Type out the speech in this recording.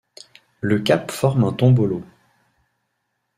Le cap forme un tombolo.